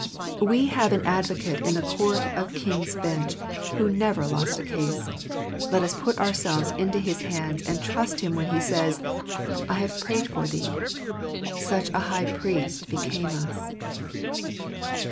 We have an Advocate in the Court of King's Bench who never lost a case : let ns put ourselves into his hands, and trust Him when He says, " I have prayed for thee." " Such a High Priest became us."